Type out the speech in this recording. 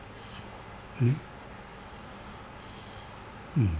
うん？